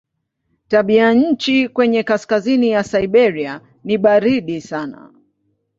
Tabianchi kwenye kaskazini ya Siberia ni baridi sana.